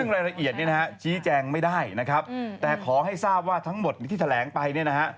ซึ่งรายละเอียดเนี่ยนะฮะชี้แจงไม่ได้นะครับแต่ขอให้ทราบว่าทั้งหมดที่แถลงไปเนี่ยนะฮะ